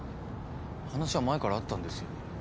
話は前からあったんですよね？